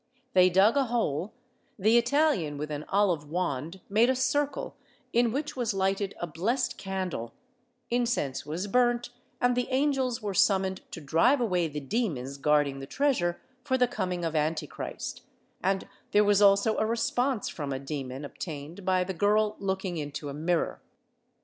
They dug a hole; the Italian with an olive wand made a circle, in which was lighted a blessed candle ; incense was burnt and the angels were summoned to drive away the demons guarding the treasure for the coming of Antichrist, and there was also a response from a demon obtained by the girl looking into a mirror.